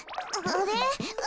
あれ？